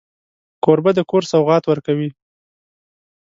کوربه د کور سوغات ورکوي.